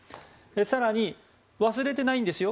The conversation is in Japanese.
更に、忘れてないんですよ